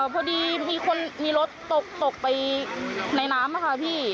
พอดีมีคนมีรถตกไปในน้ำค่ะพี่